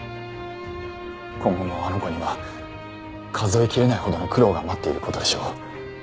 今後もあの子には数えきれないほどの苦労が待っていることでしょう。